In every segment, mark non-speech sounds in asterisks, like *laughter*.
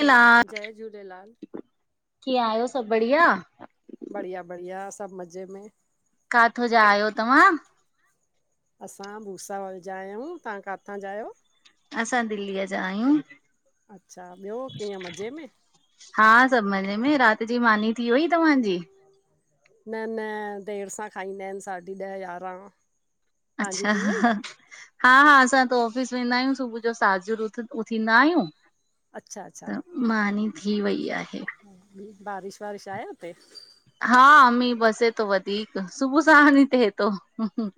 हलो जय झूलेलाल। कीअं आहियो सभ बढ़िया? बढ़िया -बढ़िया सभ मज़े में। काथां जा आहियो तव्हां? असां भुसावल जा आहियूं। तव्हां काथां जा आहियो? असां दिल्लीअ जा आहियूं। अच्छा ॿियो कीअं मज़े में। हा सभ मज़े में रात जी मानी थी वेई तव्हांजी? न न देर सां खाईंदा आहिनि साढी ॾह यारहं। अच्छा हा हा असां हित ऑफिस वेंदा आहियूं सुबुह जो साजूर उथ उथंदा आहियूं। अच्छा अच्छा त मानी थी वई आहे। बारिश वारारिश आहे हुते? हा मींह बसे थो वधीक सुबुह साण ही थे तो।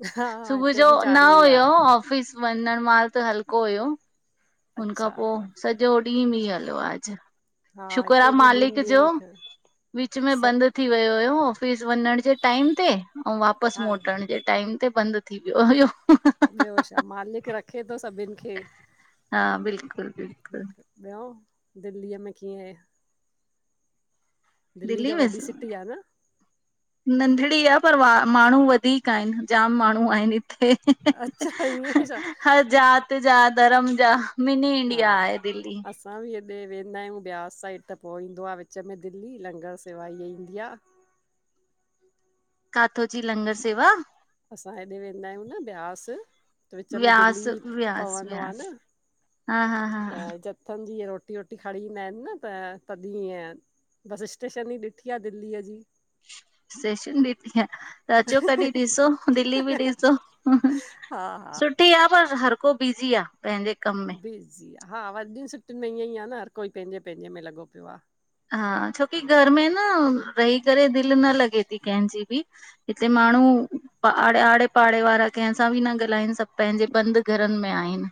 हा हा सुबुह हिते जो बि न चालू ई आ हुयो ऑफिस वञणु माल त हल्को हुयो। हुन खां अच्छा पोइ सॼो ॾींहुं मीं हलियो आ अॼु। हा शुकर आ हिते बि ॿिनि मालिक जो ॾींहंनि खां विच में स बंद थी वियो हुयो ऑफिस वञण जे टाइम ते, अऊ वापसि हा मोटण जे टाइम ते बंदि थी वियो हुयो। ॿियो छा मालिक रखे थो सभिनि खे। हा बिल्कुलु-बिल्कुलु। ॿियो दिल्लीअ में कीअं ऐं? दिल्ली त में वॾी सिटी आ न नंढड़ी आ पर माण्हू वधीक आहेन जाम माण्हू आहिनि हिते। अच्छा ईअं छा हर जात, जा धर्म जा, मिनी इंडिया हा आहे दिल्ली। असां बि हेेॾे वेंदा आहियूं ब्यास साइड त पोइ ईंदो आहे विच में दिल्ली लंगर सेवा ईअ ईंदी आ। काथो जी लंगर सेवा? असां हेॾे वेंदा आहियूं न ब्यास, तो विच में व्यास दिल्ली पवंदो आ न। हा-हा त जथनि जी ईअ रोटी वोटी खणी ईंदा आहिनि न त तॾहिं ईअं बस स्टेशन ई ॾिठी आ दिल्लीअ जी। स्टेशन ॾिठी आ, त अचो कॾहिं ॾिसो दिल्ली बि ॾिसो। हा हा *unintelligible* पर हर को बिज़ी आ पंहिंजे कम में बीजी़ आ हा वॾीन सिटीन में ईअं ई आ न हर कोई पंहिंजे पंहिंजे में लॻो पियो आ। हा छोकी घर में न रही करे दिलि न लॻे थी कंहिंजी ॿि। हिते माण्हू आड़े, आड़े पाड़े वारा कहिंसां बि न ॻाल्हाइनि सभु पंहिंजे बंदि घरनि में आहिनि।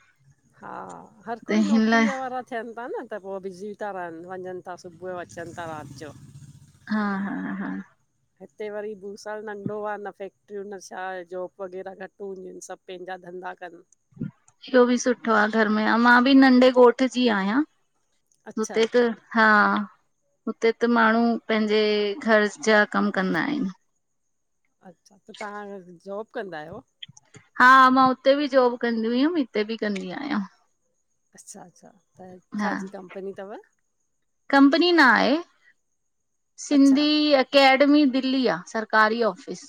हा हर त कोई हिन लाइ नौकरीअ वारा थियनि था न, त पोइ बिज़ी था रहनि वञनि था सुबुह जो अचनि था राति जो। हा हा हा हिते वरी भूसावल नंढो आ न फैक्ट्रियूं न छा जॉब वग़ैरह घटि हूंदियूं आहिनि सभु पहिंजा धंधा कन इहो ॿि सुठो आ घर में मां ॿि नंढे ॻोठ जी आहियां अच्छा हुते त हा हुते त माण्हू पंहिंजे घर जा कमु कंदा आहिनि। अच्छा त तव्हां जॉब कंदा आहियो? हा मां हुते ॿि जॉब कंदी हुयमि हिते ॿि कंदी आहियां। अच्छा-अच्छा हा कंपनी ना आहे। अच्छा सिंधी अकेडमी दिल्ली आ सरकारी ऑफिस।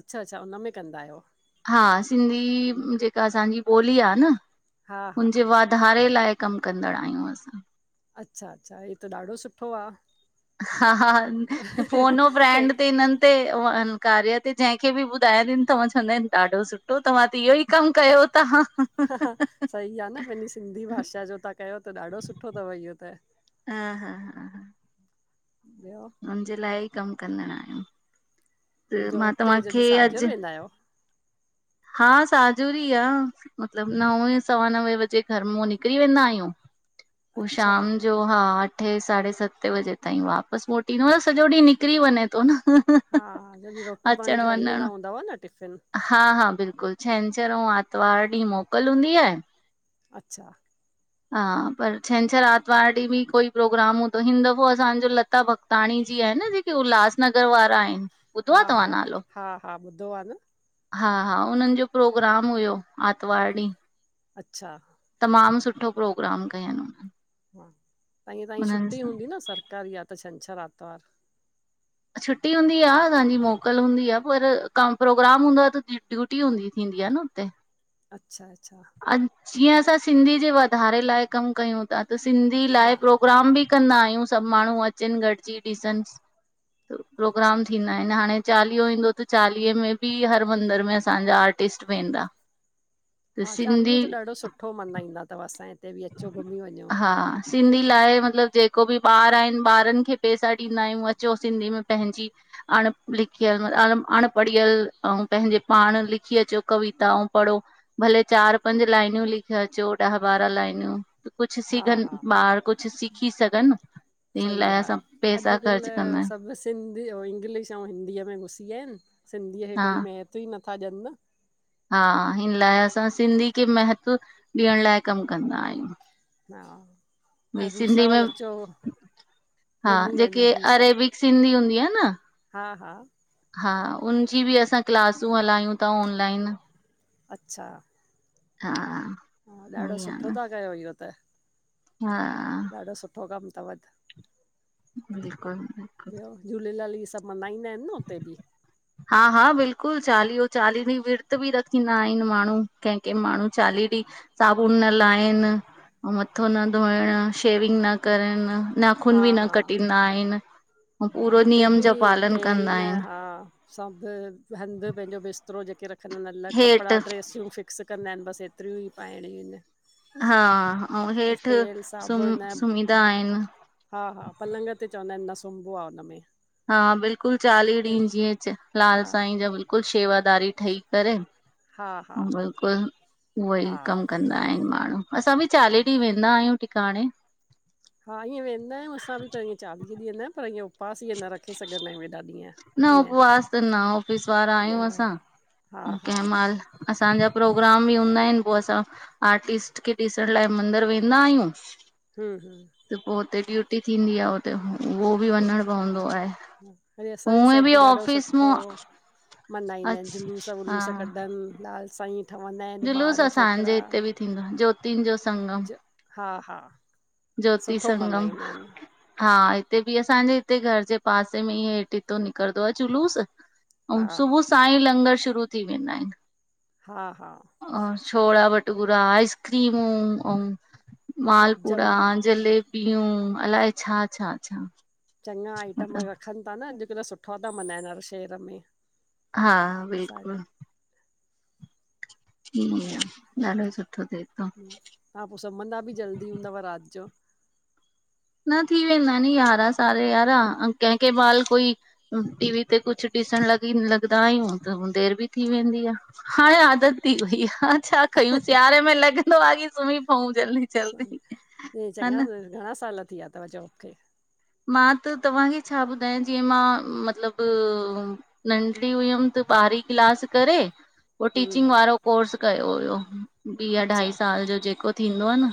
अच्छा-अच्छा हुन में कंदा आहियो। हा सिंधी जेका असांजी ॿोली आ न, हा हा हुनजे वाधारे लाए कमु कंदड़ आहियूं असां। अच्छा-अच्छा हीअ त ॾाढो सुठो आ। हा हा फोन ओ फ्रैंड ते न ते हुन कार्य ते जंहिंखे ॿि ॿुधायां *unintelligible* चवंदा आहिनि ॾाढो सुठो तव्हां त इहो ही कमु कयो ता। तव्हां कयो ता ॾाढो सुठो तवं इहो त हा हा हा हा ॿियो? हुन जे लाइ ई कम कंद आयूं त मां जॉब ते जॾहिं तव्हांखे साझर अॼु। वेंदा आहियो? हा, साजूरी आ। मतलब नवे सवा नवे बजे घर मो निकरी वेंदा आहियूं पो अच्छा शाम। जो हा अठे साढे सते वजे ताईं वापस मोटीं नहयोस ॼो ॾींह निकरी वञे तो न। हा, जॾहिं रोटी पाणी अचण खणी वञण वेंदा हूंदव न टिफ़िन। हा हा बिल्कुल छंछर आऊ आरतवार ॾींह मोकल हूंदी आए। अच्छा। हा पर छंछर आरतवार ॾीं बि कोई प्रोग्राम हूंदो हिन दफ़ो असांजो। त भगताणी जी आहे न जेके उल्हासनगर वारा आहिन्। ॿुधो आ हा हा तव्हां नालो हा हा ॿुधो आहे न हा हा। उन्हन् जो प्रोग्राम हुयो आतवार ॾीं। अच्छा। तमाम सुठो प्रोग्राम कयं हुनन। हा त ईअं तांही छुटी हूंदी न सरकारी आहे त छंछरु आर्तवार। छुटी हूंदी आहे तांजी मोकल हूंदी आ पर प्रोग्राम हूंदो आह पर। ड्यूटी हूंदी थींदी आ न हुते? अच्छा अच्छा। जीअं असां सिंधी जे वधाारे लाइ कम कयूं था त सिंधी हा लाइ प्रोग्राम बि। कंदा आहियूं सभ माण्हू अचन् गॾजी ॾिसण अच्छा प्रोग्राम थींदा आहिन् हाणे। चालीहो ईंदो त चालीह में बि हर मंदर में असांजा आर्टिस्ट वेंदा। त हा चालीहो सिंधी त ॾाढो सुठो मञाईंदा थव असांए हिते बि अचो घुमी वञो। हा सिंधी लाइ मतलब जेको बि ॿार आहिन ॿारन खे पैसा ॾींदा आहियूं अचो सिंधी में पंहिंजी। अणलिखियल अनपढ़ियल आऊ पंहिंजे पाण लिखी अचो कविता आऊ पढ़ो। भले चार पंज लाईनियूं लिखि अचो ॾह बारह लाईनियूं। कुछ हा सिखन हा ॿार कुछ सिखी सघन। सही आ अॼुकल्ह आहियूं सभ। सिंधी आऊ इंग्लिश आऊ हिंदीअ में घुसी आयान सिंधीयाके हा कोई महत्व ई नथा ॾियन्। हा हिन लाइ असां सिंधी खे महत्व ॾियण लाइ कम कंदा आहियूं। हा। ऐं भइ सिंधी भूसावल में। अचो हा घुमी वञो जेके भूसा अरेबिक सिंधी हूंदी आ न। हा हा हा उनजी बि असां क्लासूं हलायूं त ऑनलाइन। अच्छा। हां। हां ॾाढो सुठो था कयो इहो त। हां। ॾाढो सुठो कम थव त। बिल्कुल बिल्कुल। ॿियो झूलेलाल इहे सभ मनाइंदा आहिन् न हुते बि। हा हा बिल्कुल चालीहो चालीह ॾींहं विर्त बि रखंदा आहिन माण्हू कंह कंह माण्हू चालीह ॾींहं। साबुन न लहिण, मथो न धोइण शेविंग न करण। नाखून हा बि न हा कट्टिंदा आहिन्। हा हिते बि तेल न ह। आहिनि हां सभ हंध पंहिंजो बिस्तरो जेके रखंदा आहिन् अलग कपडा हेठि ड्रेसियूं फिट। भिक्स कंदा आहिन बस एतरियूं ई पाइण इय। हा ऐं हेठि सुम साबुण न सुमंदा आहिनि। हा हा पलंग ते चवंदा आहिनि न सुंबो आहे हुन मे हा बिल्कुलु चालीह ॾींहं जीअं लाल हा साईं जा बिल्कुलु शेवादारी ठही करे हा हा बिल्कुलु उह ई हा कमु कंदा आहिनि माण्हू असां बि हा चालीह ॾींहं वेंदा आहियूं टिकाणे हा ईअं वेंदा आहियूं असां बि पर ईअं चालीह ॾींहं न पर उपास ईअं न रखी सघदा आहियूं हेॾा ॾींहं न ईअं उपवास त न ऑफ़िस वारा न आहियूं हा हा असां असांजा प्रोग्राम बि हूंदा आहिन पो असां आर्टिस्ट खे ॾिसण लाइ मंदिर वेंदा आहियूं हमहम त पो हुते ड्यूटी थींदी आ हुते उहो बि वञण पवंदो आहे। असाजे उहे साइड बि ॾाढो ऑफिस सुठो मां हो मनाईंदा आहिनि, अच जुलूस वुलूस कढदानि लाल साईं ठहंदा आहिनि ॿार जुलूसु असांजे छोकिरा हिते बि थींदो आ ज्योतिनि जो संगम ज हा हा ज्योति सुठो संगम मल्हाईंदा आहिनि हा हिते ब़ि असांजे हिते घर जे पासे में ई हेठ हितो निकिरंदो आ जुलूस अऊ हा सुबु साई लंगर शुरू थी वेंदा आहिनि। हा हा अ छोला भटूरा आइस् क्रीमूं अॼु जम मालपुरा जलेबियूं अलाए छा छा छा चङा आइटम मतिलबु रखनि था न अॼुकल्ह सुठा ता मल्हाइनि हर शहर में हा सा बिल्कुलु ईअ ॾाढ *inaudible* ओ ॻालो सुठो थए हा पो सुमंदा बि जल्दी हूंदव रात जो? न थी वेंदा नी यारां साडा यारां कंह कह महल कोई टी वी ते कुझु ॾिसण लॻी लॻंदा आहियूं त देर बि थी वेंदी आ। हाणे आदत थी वई हा छा कयूं सियारे में लॻंदो आ की सुम्ही पऊ जलदी चङा घणा साल थी विया थव जॉब खे? मां त तव्हांखे छा ॿुधायां जीअं मां मतलब नंढी हुअमि त ॿारहीं क्लास करे पो टीचिंग हम्म वारो कोर्स कयो हुयो ॿी अच्छा अढाई साल जो जेको थींदो आ न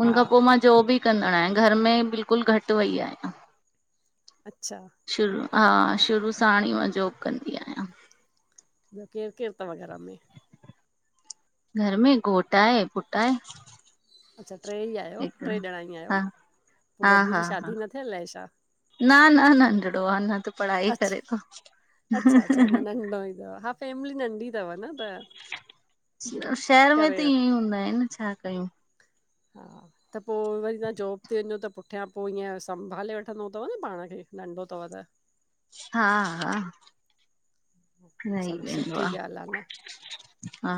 हुन हा खां पो मां जॉब बि कंदड़ आहियां घर में बिल्कुलु घटि वई आहियां। अच्छा शुरू हा शुरू सांण ई मां जॉब कंदी आहियां बियो केर केर तव घर में? घर में घोट आहे पुट आहे। अच्छा टे ई आहियो हिकिड़ो टे ॼणा ई आहियो हा पो हा बबू हा जी हा शादी न थियल ए छा? न न नंढिड़ो आ अना त पढ़ाई करे थो। ो ह *inaudible* फैमिली नंढी तव न त शहर में करे त वठ इअं ई हूंदा आहिनि छा कयूं। हा त पो वरी तहां जॉब ते वञो त पुठियां पो ईअं संभाले वठंदो थव न पाण खे नंढो तव त हा हा रही सभ वेंदो सुठी आ, ॻाल्हि आहे न हा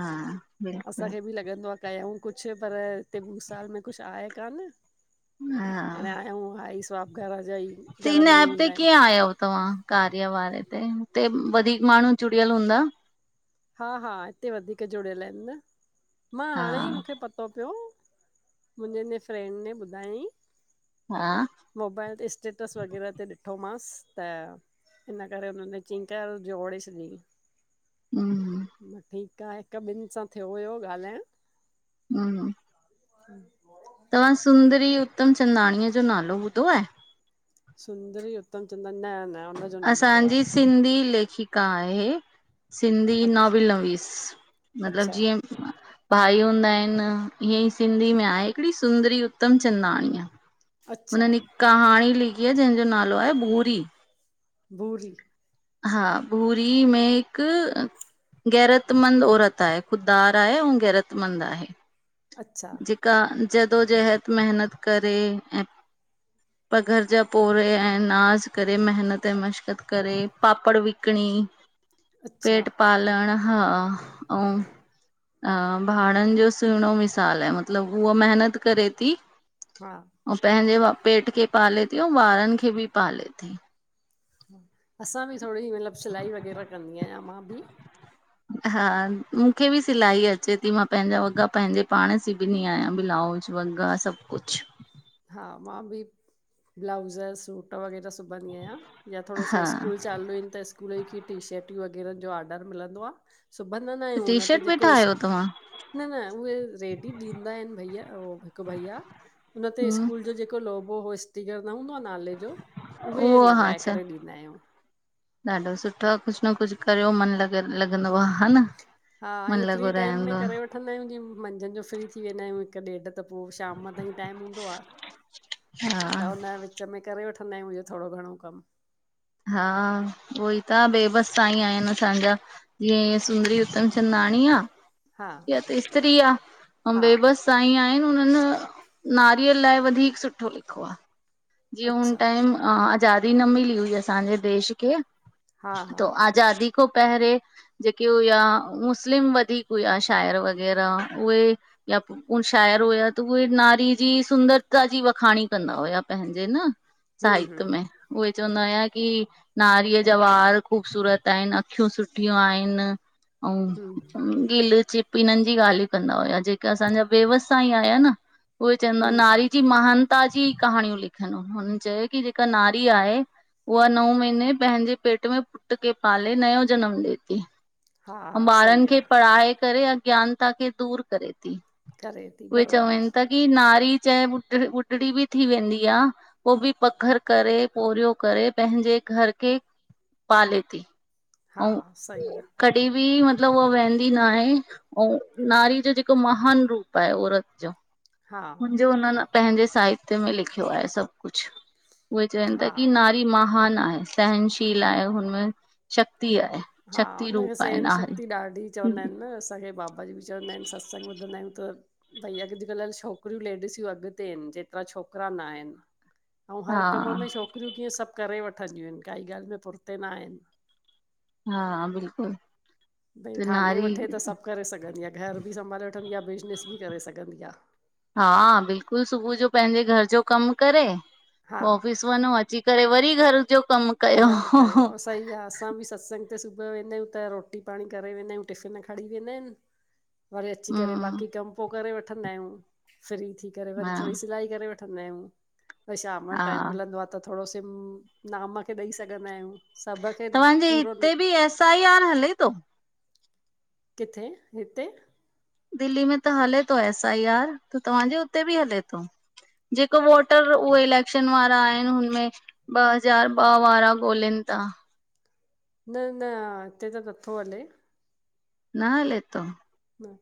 बिल्कुल असांखे बि लॻंदो आहे कयऊूं कुझु पर हिते भू साल में कुझु आहे कोान हाणे हा आहे ऐं हुअ ई स्वाब घर जा ई त घर हिन में ई एप ते हूंदा आहिनि *unintelligible* तव्हां कार्य वारे ते हुते वधीक माण्हू जुड़ियल हूंदा हा हा हिते वधीक जुड़ियल आहिनि मां हा हाणे ई मूंखे पतो पियो मुंहिंजे हिन फ्रेंंड ने ॿुधाईईं हा मोबाइल ते स्टेटस वग़ैरह ते ॾिठोमांसि त हिन करेे हुनने चयी कर जोड़े छॾी हम ह मां ठीकु आहे हिकु ॿिनि सां थियो हुयो ॻाल्हाण हम हम तव्हां सुंदरी उत्तम चंदाणीअ जो नालो ॿुधो आहे सुंदरी उत्तम चंदना न न हुन असांजी सिंधी लेखिका आहे आहे सिंधी अछ नॉविल नवीस मतिलब अच्छा जीअं भाई हूंदा आहिनि ईअं ई सिंधी में आहे हिकिड़ी सुंदरी उत्तम चंदाणी आहे अच्छा हुननि हिक कहाणी लिखी आहे जंहिंजो नालो आहे भूरी भूरी हा भूरी में हिकु गैरतमंद औरत आहे ख़ुदिदार आहे ऐं गैरतमंद आहे अच्छा क जदोो जहत महिनत करे ऐं पर घर जा पोौरे ऐं नाज़ करे महिनत ऐं मश्क़त करे पापड़ विकिणी अच्छा पेट पालण हा आउं भाड़नि जो सुहिणो मिसाल आहे मतलबु उहा महिनत करे थी हा ऐं पंहिंजे पेट खे पाले थी ऐं ॿारनि खे बि पाले थी ह असां बि थोरी मतलबु सिलाई वग़ैरह कंदी आहियां मां बि हा मूंखे बि सिलाई अचे थी मां पंहिंजा वॻा पंहिंजे पाण सिबंदी आहियां ब्लाउज वगा सभु कुझु हा मां बि ब्लाउज़ सूट वग़ैरह सिबंदी आहियां या थोरो सो हा स्कूल चालू आहिनि त स्कूलूं कीअं टीशटियूं वग़ैरह जो ऑडर मिलंदो आहे सिबंद ना आहियूं टी हुन ते शर्ट बि जेको इ ठाहियो तव्हां न न उहे रेडी ॾींदा आहिनि भइया उह हिकु भइया। हुन ते हम्म स्कूल जो जेको लोगो हो स्टीगर न हूंदो आ नाले जो। उहे उहो हा लॻाए अच्छ! करे ॾींदा आहियूं ॾाढो सुठो आ कुझ न कुझ करियो मन लगा लॻंदो आ हा न? मन लगल राहंदो आ। उथंदा आहिूं जीअं मंझंन जो फ्री थीेंदा आहियूं हिकु ॾेढ त पोइ शाम ताईं टाइम हूंदो आ हा त हुन विच विच में करे वठंदा आहियूं इहो थोणो घणो कम। हा उहोई त बे बसि तं आहिनि असांजा। जीअं ईअं सुंदरी उत्तम चंदाणी आहे हा त स्त्री आहे अ हा बेई बस *unintelligible* साईं आहिनि हुननि नारीय लाए वधीक सुठो लिखो आ। जीअं हुन अच्छा टाइम आज़ादी न मिली हुई असांजे देश खे हा त हा आज़ादी खों पहिंरे जेके हुया मुस्लिम वधीक हुया श शायर वग़ैरह उहे या प उ शायर हुया त उहे नारी जी सुंदरता जी वखांणी कंदा हुया पंहिंजे न। हूं हूं सहित्य में उहे चवंदा हुया की, नारीअ जा वार ख़ूबसूरत आहिन, अखियूं सुठियूं आहिनि, हूं अंउं गिल चिट इनन्हनि जी ॻाल्हियुं कंदा हुया, जेके असांजा वेवसांई आया न उहे चवंदा आहिनि हूं नारी जी महानता जी कहाणियूं लिखनि, हुननि चयो की जेका नारी आहे उहा नओं महीने पंहिंजे पेट में पुट्र खे पाले नयों जनमु ॾिये ती। हा अंउं हा ॿारनि सही आ खे पढ़ाए करे अग् अज्ञानता खे दूर करे ती, करे थी उहे बरोबर चवेनि ता की की नारी चाहे ॿुढ ॿुढड़ी बि थी वेंदी आ पो बि पघर करे पोरियो करे पंहिंजे घर खे पाले ती। हा अऊं सही आ कॾीहिं बि मतलबु उहा वेहिंदी ना हे अंउं नारी जो जेको महान रूप आहे औरत जो हा। जो हुननि पंहिंजे साहित्य में लिखियो आहे सभु कुछ। उहे चवेनि ता हा की नारी महान आहे, सहनशील आहे, हुनमें शक्ति आहे। हा शक्ति हुनखे रूप आहे सहन नारी शक्ती ॾाढी चवंदा हिनि न असांखे बाबा जी बि चवंदा हिनि सत्संग ॿुधंदा हियूं त भई अॼुकल्ह छोकिरियूं लेडीसियूं अॻिते इन जेतिरा छोकिरा ना हिनि। अऊं हा हर कम में छोकिरियूं कीअं सभ करे वठंदियूं हिनि, काई ॻाल्हि में पुरते ना हिनि। हा बिलकुल। भई ठाने वठे त सभु करे सघंदी आ घर बि संभाले वठंदी आ, बिज़नेस बि करे सघंदी आ। हा बिल्कुल सुबुअ जो पंहिंजे घर जो कम करे पो हा ऑफिस वंञों अची करे वरी घर जो कम कयो। घर कयो, सही आ असां बि सत्संग ते सुबुअ यो वेंदा आहियूं त रोटी पांणी करे वेंदा आहियूं टिफ़िन खणी वेंदा हिनि। *inaudible* वरी अची करे बाक़ी कम पो करे वठंदा आहियूं, फ्री थी करे वरी हा थोणी सिलाई करे वठ वठंदा आहियूं वरी शाम जो हा टाइम मिलंदो आहे त थोड़ो सिम नाम खे ॾई सघंदा आहियूं। सभ खे तव्हांजे पूरो हिते बि एस आइ आर हले तो? कित्थे हिते? दिल्ली में त हले तो एस आई आर त तव्हांजे उते बि हले तो? जेको वोटर उहे इलेक्शन वारा आहिनि हुनमें ॿ हज़ार ॿ वारा गोल्हिनि ता। न न हिते त नत्थो हले। न हले तो? न।